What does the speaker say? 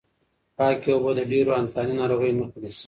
پاکې اوبه د ډېرو انتاني ناروغیو مخه نیسي.